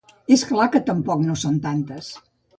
És clar que tampoc no són tantes.